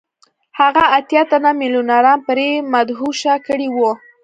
هغه اتیا تنه میلیونران پرې مدهوشه کړي وو